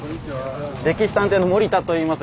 「歴史探偵」の森田といいます。